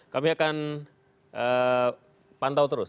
kami akan pantau terus